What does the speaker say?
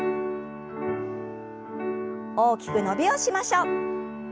大きく伸びをしましょう。